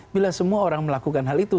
bila semua orang melakukan hal itu